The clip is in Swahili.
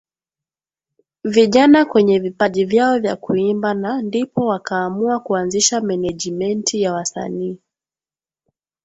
vijana kwenye vipaji vyao vya kuimba na ndipo wakaamua kuanzisha menejimenti ya wasanii